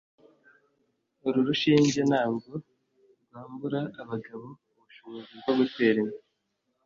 uru rushinge ntabwo rwambura abagabo ubushobozi bwo gutera inda